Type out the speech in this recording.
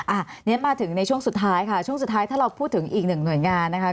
อันนี้มาถึงในช่วงสุดท้ายค่ะช่วงสุดท้ายถ้าเราพูดถึงอีกหนึ่งหน่วยงานนะคะ